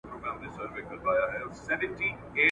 هره ورځ یې شکایت له غریبۍ وو ..